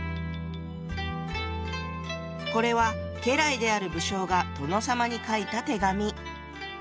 これは家来である武将が殿様に書いた手紙。